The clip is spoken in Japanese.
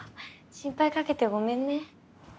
心配かけてごめんね。